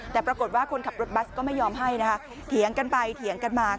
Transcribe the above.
แต่ปรากฏว่าคนขับรถบัสก็ไม่ยอมให้นะคะเถียงกันไปเถียงกันมา